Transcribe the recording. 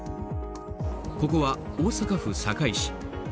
ここは大阪府堺市。